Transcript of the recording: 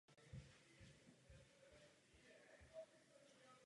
Možná též pokračoval ve studiu teologie na pražské univerzitě.